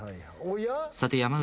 さて山内。